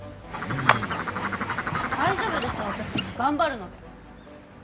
大丈夫です私頑張るので。